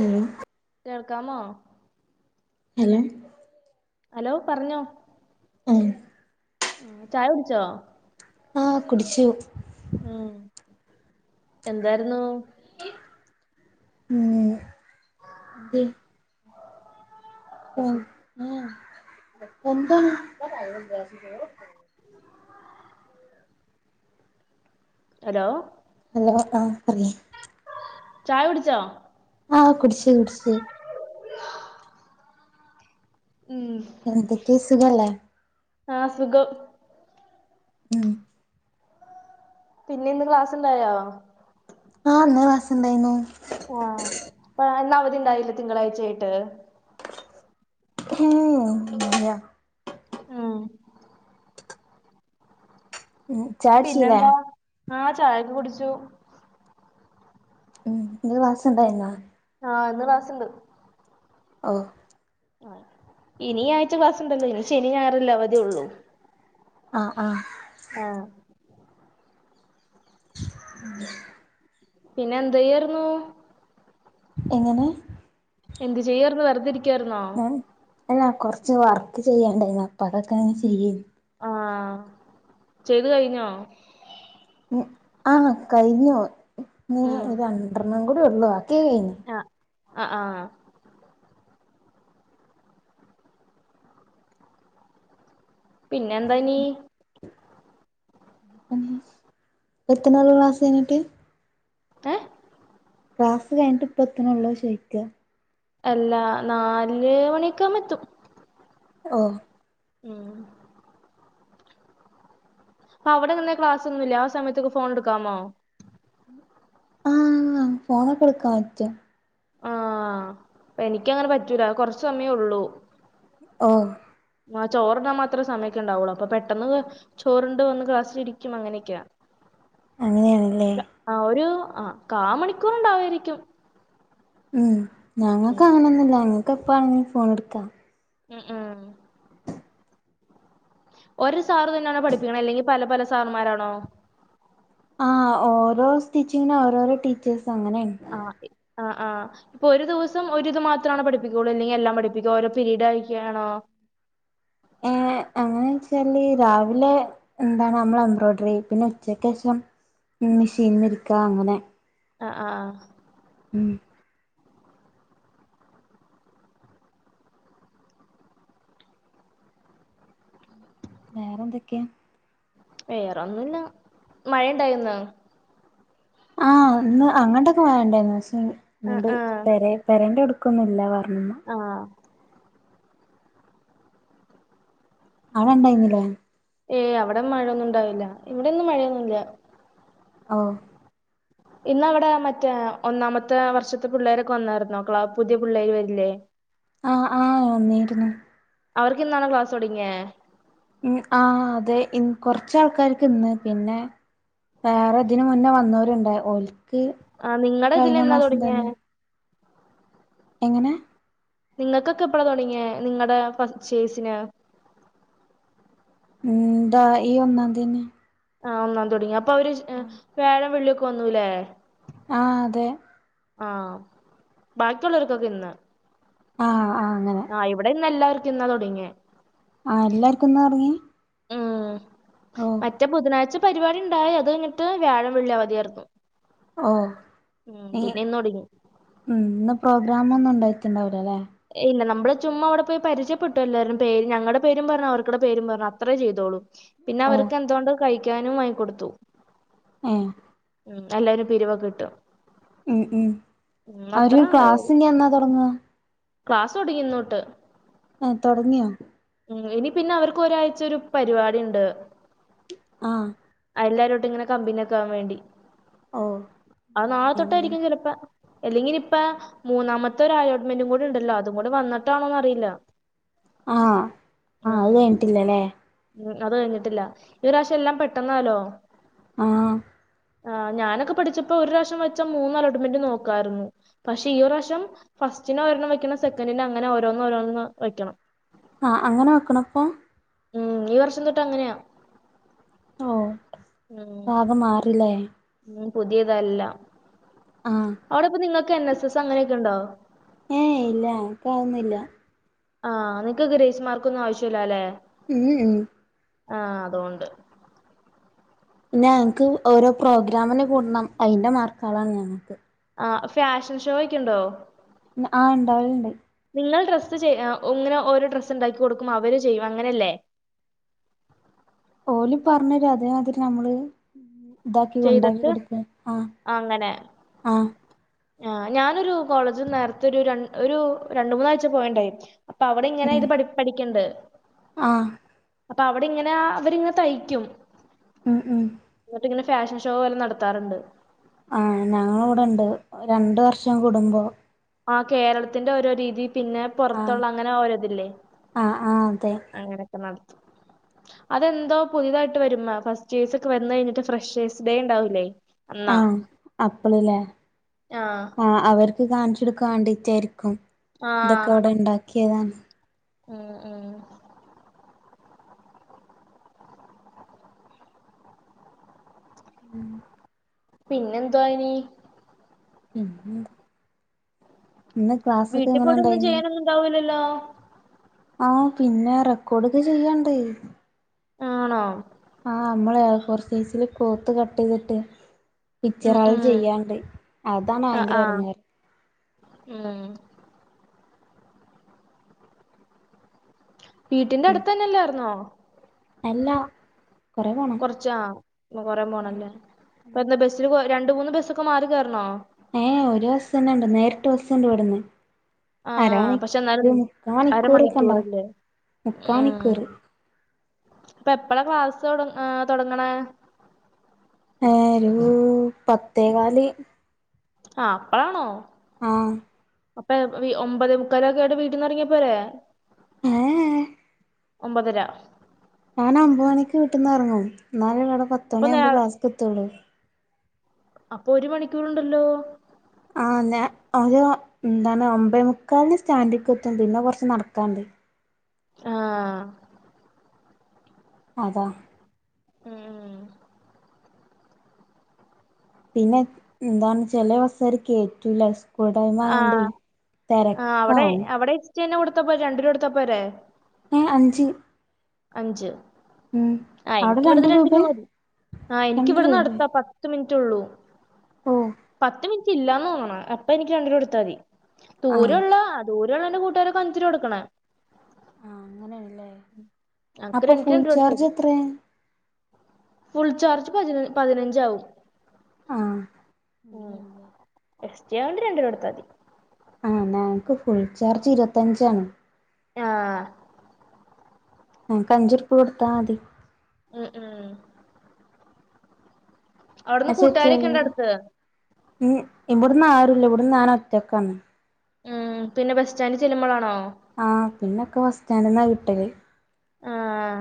Hello കേൾക്കാമോ hello hello പറഞ്ഞോ ആഹ് ആഹ് ചായ കുടിച്ചോ ആഹ് കുടിച്ചു ഉം എന്താരുന്നു ഉം എന്താ [inaudible] ഹലോ ഹലോ ആഹ് പറിയ് ചായ കുടിച്ചോ ആഹ് കുടിച്ചു കുടിച്ചു [inaudible] ഉം എന്തൊക്കെയാ സുഖല്ലേ ആഹ് സുഖം ഉം പിന്നെ ഇന്ന് ക്ലാസ് ഉണ്ടായോ ആഹ് ഇന്ന് ക്ലാസ്സ് ഉണ്ടായിരുന്നു ആഹ് അപ്പ ഇന്ന് അവധി ഉണ്ടായില്ലെ തിങ്കളാഴ്ച ആയിട്ട് ഉം ഇല്ല ഉം ഉം ചായുടിച്ചില്ലേ പിന്നെന്താ ആഹ് ചായൊക്കെ കുടിച്ചു ഇന്ന് ക്ലാസ് ഉണ്ടായിരുന്ന ആഹ് ഇന്ന് ക്ലാസ്ണ്ട് ഓഹ് ഇനി ഈ ആഴ്ച ക്ലാസ്ണ്ടല്ലോ ഇനി ശനി ഞായറല്ലേ അവധിള്ളു ആഹ് ആഹ് ആഹ് [inaudible] പിന്നെ എന്തയ്യാർന്നു എങ്ങനെ എന്ത് ചെയ്യാർന്ന് വർതെരി ഏഹ് അല്ല കുറച്ച് വർക്ക് ചെയ്യാണ്ടായിരുന്നു അപ്പൊ അതൊക്കെ അങ്ങ് ചെയ്യെനി ആഹ് ചെയ്ത് കഴിഞ്ഞോ ഉം ആഹ് കഴിഞ്ഞു ഇനി ഉം രണ്ടെണ്ണം കൂടി ഉള്ളൂ ബാക്കികഴിഞ്ഞു ആഹ് ആഹ് പിന്നെന്താ ഇനി ഉം എത്ത്ണൊള്ളൂ ക്ലാസ് കൈഞ്ഞിട്ട് ഏഹ് ക്ലാസ് കഴിഞ്ഞിട്ട് ഇപ്പത്തണുള്ളൂ ചോയ്ക്കാ അല്ലാ നാല് മണിക്കങ്ങ് എത്തും ഓഹ് ഉം അപ്പൊ അവിടങ്ങനെ ക്ലാസൊന്നുല്ല ആ സമയത്തൊക്ക ഫോൺ എടുക്കാമോ ആഹ് ഫോണൊക്കെ എടുക്കാൻ പറ്റും ആഹ് എനിക്കങ്ങനെ പറ്റൂല കുറച്ച് സമയേ ഉള്ളൂ ഓഹ് ആഹ് ചോറുണ്ണാൻ മാത്രേ സമയൊക്കെണ്ടാവുള്ളൂ അപ്പൊ പെട്ടെന്ന് ചോറുണ്ട് വന്ന് ക്ലാസ്സിലിരിക്കും അങ്ങനെക്കെയാ അങ്ങനെയാണല്ലേ ആഹ് ഒരു ആഹ് കാമണിക്കൂർ ഉണ്ടാകുവായിരിക്കും ഉം ഞങ്ങക്ക് അങ്ങനൊന്നുല്ല ഞങ്ങക്ക് എപ്പാണെങ്കിലും ഫോൺ എടുക്കാം ഉം ഹ് ഒരു സാർ തന്നെണോ പഠിപ്പിക്കണെ അല്ലെങ്കിൽ പല പല സാറുമാരാണോ ആഹ് ഓരോ സ്റ്റിച്ചിങ്ങിന് ഓരോരോ ടീച്ചേഴ്സും അങ്ങനെണ്ട് ആഹ് ആഹ് പ്പൊ ഒരു ദിവസം ഒരിത് മാത്രാണോ പഠിപ്പിക്കുള്ളൂ അല്ലെങ്കിൽ എല്ലാം പഠിപ്പിക്കോ ഓരോ പിരീഡ് ആയിട്ടാണോ ഏഹ് അങ്ങനെ വെച്ചാല് രാവിലെ എന്താണ് നമ്മള എംബ്രോയ്ഡറി പിന്നെ ഉച്ചക്കേഷം മെഷീനിന്ന് ഇരിക്കാ അങ്ങനെ ആഹ് ആഹ് ഉം വേറെന്തൊക്കെയാ വേറെ ഒന്നുല്ല മഴണ്ടായിന്നോ ആഹ് ഇന്ന് അങ്ങട്ടൊക്കെ മഴണ്ടായിനി പക്ഷേ ആഹ് ഇങ്ങട്ട് ആഹ് പെരൻ്റെ ട്ക്ക് ക്കൊന്നുല്ലാ പറഞ്ഞു ആഹ് ആടെ ഇണ്ടായിരുന്നില്ലേ ഏയ് അവിടെ മഴയൊന്നും ഉണ്ടാവില്ല ഇവിടെന്നും മഴയൊന്നുംല്ല ഓഹ് ഇന്ന് അവിടെ മറ്റേ ഒന്നാമത്തെ വർഷത്തെ പിള്ളേരൊക്കെ വന്നായിരുന്നോ ക്ലാസ് പുതിയ പിള്ളേർ വരില്ലേ ആഹ് ആഹ് വന്നിരുന്നു അവർക്ക് ഇന്നാണോ ക്ലാസ്തൊടങ്ങിയെ ഉം ആഹ് അതെ കൊറച്ചാൾക്കാർക്ക് ഇന്ന് പിന്നെ വേറെ ഇതിന് മുന്നേ വന്നവരുണ്ട് ഓൽക്ക് ആഹ് നിങ്ങടെ ഇതില് കഴിഞ്ഞ എന്നാ മാസം തുടങ്ങിയേ തന്നെ എങ്ങനെ നിങ്ങൾക്കൊക്കെ എപ്പഴാ തുടങ്ങിയ നിങ്ങളടെ പറച്ചേസിനു എന്താ ഈ ഒന്നാതിത്തന്നെ ആഹ് ഒന്നാം തിയ്യതി തുടങ്ങി അപ്പൊ അവര് വ്യാഴം വെള്ളിയൊക്കെ വന്നുലേ ആഹ് അതെ ആഹ് ബാക്കിയുള്ളവർക്കൊക്കെ ഇന്ന് ആഹ് ആഹ് അങ്ങനെ ആഹ് ഇവിടെ ഇന്ന് എല്ലാവർക്കും ഇന്നാ തുടങ്ങിയ ആഹ് എല്ലാർക്കുംന്നാ തുടങ്ങിയെ ആഹ് ഓഹ് മറ്റേ ബുധനാഴ്ച പരിപാടി ഉണ്ടായി അത് എന്നിട്ട് വ്യാഴം വെള്ളി അവതിയായിരുന്നു ഓ ഈ ഇന്ന് തൊടങ്ങി ഉ ഇന്ന് പ്രോഗ്രാമ ഒന്നും ഉണ്ടായിട്ടുണ്ടാവില്ലോ അല്ലേ ഇല്ല നമ്മൾ ചുമ്മാ അവിടെ പോയി പരിയപ്പെട്ടു എല്ലാരും പേര് ഞങ്ങളുടെ പേരും പറഞ്ഞു അവരുടെ പേരും പറഞ്ഞു അത്രേ ചെയ്തോളൂ പിന്നെ ഓ അവർക്ക് എന്തോ കൊണ്ട് കഴിക്കാനും വാങ്ങി കൊടുത്തു ആഹ് ഉം എല്ലാരും പിരിവൊക്കെ കിട്ടും ഉം ഉം അത്ര അവര് ഉണ്ടായത് ക്ലാസ്സി ഇനി എന്നാ തുടങ്ങുക ക്ലാസ് തുടങ്ങി ഇന്ന് തൊട്ട് ആഹ് തുടങ്ങിയോ ഉം ഇനി പിന്നെ അവർക്ക് ഒരാഴ്ച ഒരു പരിപാടിഉണ്ട് ആഹ് എല്ലാരേട്ടും ഇങ്ങനെ കമ്പിനോക്കെ ആകാൻ വേണ്ടി ഓ ആഹ് നാളെ അങ്ങനെയാണല്ലേ. തൊട്ടായിരിക്കും ചിലപ്പോ അല്ലെങ്കിൽ ഇപ്പൊ മൂന്നാമത്തെ ഒരു അലോട്ട്മെന്റും കൂടെ ഉണ്ടല്ലോ അതും കൂടെ വന്നിട്ടാണോന്ന് അറിയില്ല ആഹ് അത് ആഹ് കഴിഞ്ഞിട്ടില്ലല്ലേ ഉം അത് കഴിഞ്ഞട്ടില്ല ഈ പ്രാവശ്യം എല്ലാം പെട്ടെന്നാലോ ആഹ് ആഹ് ഞാനൊക്കെ പഠിച്ചപ്പോ ഒരുറാശ്യം വെച്ചാ മൂന്ന് അലോട്ട്മെന്റ് നോക്കാരുന്നു പക്ഷെ ഈ ഒരുറാശ്യം ഫസ്റ്റിനൊരെണ്ണം വെക്കണം സെക്കൻഡിനു അങ്ങനെ ഓരോന്ന് ഓരോന്ന് വെക്കണം ആഹ് അങ്ങനെ വെക്കണം ഇപ്പൊ ഉം ഈ വർഷം തൊട്ട് അങ്ങനെയാ ഉം ഒക്കെ മാറീല്ലേ ഇനീം പുതിയതാ എല്ലാം ആഹ് അവിടിപ്പൊ നിങ്ങക്ക് എൻ എസ് എസ് അങ്ങനെയൊക്കെ ഒണ്ടോ ഏയ് ഇല്ല ഞങ്ങക്കതൊന്നുവില്ല ആഹ് നിങക്ക് ഗ്രേസ് മാർക്കൊന്നും ആവശ്യില്ല അല്ലേ ഉം ഉം ആഹ് അതോണ്ട് പിന്നെ ഞങ്ങക്ക് ഓരോ പ്രോഗ്രാമിന് കൂടണം അതിന്റെ മാർക്ക്കളാണ് ഞങ്ങക്ക് ആഹ് ഫാഷൻ ഷോ ഒക്കെ ഇണ്ടോ ആഹ് ഇണ്ടാവലെണ്ട് നിങ്ങൾ ഡ്രസ്സ് ചെ അഹ് ഇങ്ങനെ ഓരോ ഡ്രസ്സ് ഇണ്ടാക്കി കൊടുക്കും അവര് ചെയ്യും അങ്ങനെയല്ലേ ഓല് പറഞ്ഞ് തരും അതേമാതിരി നമ്മള് ഇതാക്കി ഒണ്ടാക്കി ചെയ്തിട്ട് കൊടുക്കും ആഹ് ആഹ് ആഹ് ഞാനൊരു കോളേജി നേരത്തെ ഒരു രൺ ഒരു രണ്ട് മൂന്നാഴ്ച്ച പോയണ്ടായിരുന്നു അപ്പ അവിടെ ഇങ്ങനെ ഉം ഇത് പഠി പഠിക്കെണ്ട് ആഹ് അപ്പ അവിടിങ്ങനാ അവരിങ്ങ് തയ്ക്കും ഉം ഉം എന്നിട്ട് ഇങ്ങനെ ഫാഷൻ ഷോ പോലെ നടത്താറിണ്ട് ആഹ് ഞങ്ങളിവിടെണ്ട് രണ്ടു വർഷം കൂടുമ്പോ ആഹ് കേരളത്തിന്റെ ഓരോ രീതി പിന്നെ ആഹ് പൊറത്തൊള്ള അങ്ങനെ ഓരോ ഇതില്ലേ ആഹ് ആഹ് അതെ അങ്ങനെക്ക നടത്തും അത് എന്തോ പുതിയതായിട്ട് വരുമ്മ ഫസ്റ്റ്യേർസൊക്കെ വന്ന് കഴിഞ്ഞിട്ട് ഫ്രഷേഴ്സ് ഡേ എണ്ടാവൂല്ലേ ആഹ് അപ്പളല്ലേ ആഹ് അവർ ക്ക് കാണിച്ചൊടുക്കാൻ വേണ്ടിട്ടായിരിക്കും ഇതൊക്കെ ആഹ് അവിടെ ഇണ്ടാക്കിയതാണ് ഉം ഉം ഉം പിന്നെ എന്തുവാ ഇനി [unintelligible] ഇന്ന് ക്ലാസ്സൊക്കെ വീട്ടിൽ എങ്ങനെ പോയിട്ട് ഒന്നും എണ്ടായിരുന്നു [unintelligible] ആഹ് പിന്നെ റെക്കോർഡൊക്കെ ചെയ്യാൻണ്ട് ആണോ ആഹ് നമ്മള് എ ഫോർ സൈസില് ക്ലോത്ത് കട്ട് ചെയ്തിട്ട് ഉം പിക്ച്ചറുകൾ ഉം ചെയ്യാൻണ്ട് അതാണ് ആഹ് ഭയങ്കര ആഹ് എടങ്ങേറ് ഉം വീട്ടിന്റെ അടുത്ത് തന്നെയല്ലാർന്നോ അല്ല കൊറെ പോണം കൊറച്ചാ കൊറെ പോണല്ലേ ഇപ്പ എന്ന ബസ്സില് രണ്ടു മൂന്ന് ബസ്സൊക്കെ മാറി കയറണോ ഏഹ് ഒരു ബസ്സന്നെണ്ട് നേരിട്ട് ബസ്സുണ്ട് ഇവിടന്ന് ആ അരണി പക്ഷെ എന്നാലും ഒരു മുക്കാ മണിക്കൂറൊക്കണ്ടാവും അരമണിക്കൂറല്ലേ മുക്കാ മണിക്കൂറ് അപ്പ എപ്പോഴാ ക്ലാസ് തുട തുടങ്ങണത് ഏഹ് ഒരു പത്തെകാല് ആഹ് അപ്പഴാണോ ആഹ് അപ്പൊ ഒമ്പത് മുക്കാല് ഒക്കൊയിട്ട് വീട്ടിന്ന് ഇറങ്ങിയപ്പോരേ ഏഹ് ഏഹ് ഒമ്പത്തര ഞാൻ ഒമ്പത് മണിക്ക് വീട്ടീന്നിറങ്ങും എന്നാലേ അവിടെ പത്ത് അപ്പൊ നേ മണിയാകുമ്പോ ക്ലാസ്സ്ക്ക്‌ എത്തുളളു അപ്പൊ ഒരു മണിക്കൂർ ഉണ്ടല്ലോ ആഹ് ഞാ ഒരു എന്താണ് ഒമ്പതേമൂക്കാലിന് സ്റ്റാൻഡിക്കെത്തും പിന്നെ കൊറച്ച് നടക്കാനിണ്ട് ആഹ് അതാ ഉം പിന്നെ എന്താണ് ചില ബസ്സുകാര് കയറ്റുല്ല സ്കൂൾ ആ ടൈമായോണ്ടേ തിരക്കാവും [unintelligible] കൊടുത്ത പോരെ രണ്ടു രൂപ കൊടുത്താ പോരെ ഏഹ് അഞ്ച് അഞ്ച് ഉം ആഹ് അവിടെ എനിക്ക് ഇവിടുന്ന് രണ്ട് രണ്ടു രൂപേ രൂപ മതി ആഹ് എനിക്ക് രണ്ട് ഇവിടുന്ന് രൂപേ അടുത്താ പ ത്ത് മിനിറ്റ്ള്ളൂ ഓഹ് പത്ത് മിനിറ്റ് ഇല്ലാന്ന് തോന്നണു അപ്പം എനിക്ക് രണ്ട് രൂപ കൊടുത്താ മതി ആഹ് ദൂരള്ള ദൂരള്ളന്റെ കൂട്ടുകാരൊക്കെ അഞ്ചൂ രൂപ കൊടുക്കണേ ആഹ് അങ്ങനെയാണല്ലേ അപ്പൊ അത്ര എനിക്ക് ഫുൾ രണ്ട് കൊടുത്താ ചാർജ് മതി എത്രയാ ഫുൾ ചാർജ് പതിന പതിനഞ്ചാവും ആഹ് ഉം എസ് ടി ആയതുകൊണ്ട് രണ്ടു രൂപ കൊടുത്താ മതി ആഹ് ഞങ്ങക്ക് ഫുൾ ചാർജ് ഇരുപത്തഞ്ചാണ് ആഹ് ആഹ് എനിക്ക് അഞ്ചു രൂപ കൊടുത്താ മതി ഉം ഉം അവിടുന്ന് പക്ഷെ കൂട്ടുകാരൊക്കെ ഉണ്ട് ചെലര് അടുത്ത് ഇവിടന്ന് ആരുല്ല ഇവിടന്ന് ഞാൻ ഒറ്റക്കാണ് ഉം പിന്നെ ബസ് സ്റ്റാൻഡ് ചെല്ലുമ്പോളാണോ ആഹ് പിന്നൊക്കെ ബസ് സ്റ്റാൻഡ്ന്നാ കിട്ടെല്. ആഹ്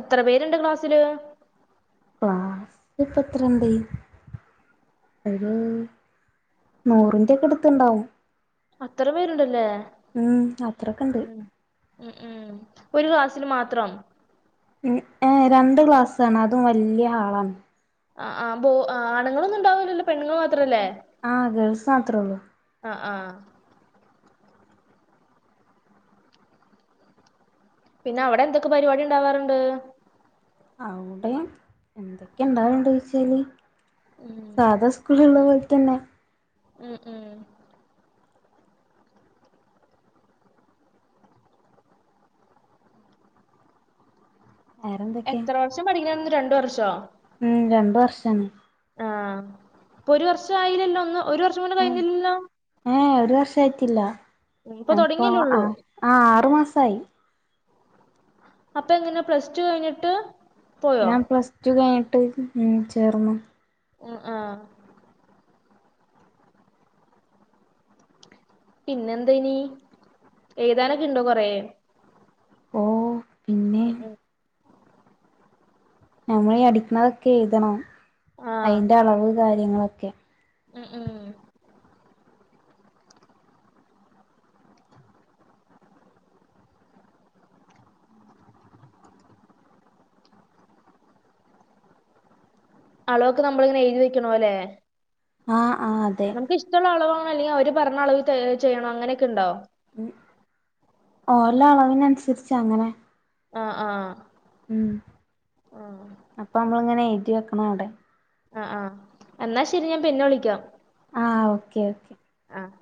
എത്ര പേര്ണ്ട് ക്ലാസ്സില്? ക്ലാസില്പ്പത്രണ്ട്? ഒരു നൂറിന്റെ ഒക്കെ അടുത്ത്ണ്ടാവും. അത്രേ പേരുണ്ടല്ലേ ഉം അത്രൊക്കെണ്ട് ഉം. ഉം ഉം ഒര് ക്ലാസ്സില് മാത്രം. ഉം ഏഹ് രണ്ട് ക്ലാസ്സാണ് അതും വല്ല്യാ ഹാളാണ്. ആഹ്, ആഹ് ബോ ആഹ് ആണുങ്ങളൊന്നും ഇണ്ടാവൂലല്ലോ പെണ്ണുങ്ങൾ മാത്രല്ലേ? ആഹ് ഗേൾസ് മാത്രേ ഉള്ളൂ ആഹ് ആഹ് പിന്നെ അവടെ എന്തൊക്കെ പരിപാടി ഉണ്ടാവാറുണ്ട്? അവിടെ എന്തൊക്കെഇണ്ടാവല്ണ്ട് ചോയ്ച്ചാല് ഉം സാധാ സ്കൂളിലുള്ള പോലെതന്നെ. ഉം, ഉം വേറെന്തൊക്കെയാ എത്ര വർഷം പഠിക്കണംന്ന് രണ്ട് വർഷോ ഉം രണ്ട് വർഷാണ് ആഹ് ഇപ്പൊ ഒര് വർഷം ആയില്ലല്ലോ ഒന്ന് ഒരു വർഷം പോലും ഏഹ് കഴിഞ്ഞില്ലല്ലോ ഏഹ് ഒര് വർഷം ആയിട്ടില്ല ഇപ്പൊ തുടങ്ങിയല്ലേ ആ ഉള്ളൂ ആറ് മാസവായി അപ്പൊ എങ്ങനാ പ്ലസ് ടു കഴിഞ്ഞിട്ട് പോയോ ഞാൻ പ്ലസ് ടു കഴിഞ്ഞിട്ട് ഉം ചേർന്നു ഉം ആഹ് പിന്നെന്താ ഇനി എഴുതാനൊക്കെ ഇണ്ടോ കൊറേ ഓഹ് ഉം ഉം ഞമ്മള് ഈ അടിക്കണതൊക്കെ എഴുതണം ആ അതിന്റെ അളവ് കാര്യങ്ങളൊക്കെ ഉം ഉം അളവൊക്കെ നമ്മളിങ്ങനെ എഴുതി വെക്കണം ഇല്ലേ ആഹ് ആഹ് അതെ ന്നമുക്ക് ഇഷ്ടവുള്ള അളവാണോ അല്ലെങ്കി അവര് പറഞ്ഞ അളവ് ചെയ്യണോ അങ്ങനെയൊക്കെയുണ്ടോ ഉം ഓലെ അളവിന് അനുസരിച്ച് അങ്ങനെ ആഹ് ആഹ് ഉം അപ്പ നമ്മളിങ്ങനെ എഴുതി വെക്കണം അവിടെ ആഹ് ആഹ് എന്നാ ശെരി ഞാൻ പിന്നെ വിളിക്കാം ആഹ് ഓക്കെ ഓക്കെ. ആഹ്